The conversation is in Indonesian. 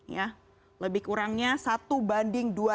ya lebih kurangnya satu banding dua